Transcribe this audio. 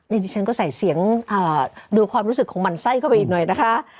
นี่ฉันก็ใส่เสียงดูความรู้สึกของหมั่นไส้เข้าไปอีกหน่อยนะคะ